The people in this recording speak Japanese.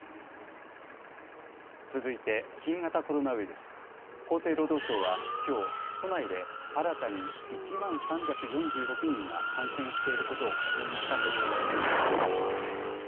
続いて新型コロナウイルス、厚生労働省はきょう都内で新たに１万３４６人が感染していることを確認したと発表しました。